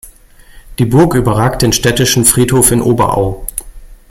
Die Burg überragt den städtischen Friedhof in Oberau.